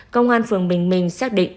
công an phường bình minh xác định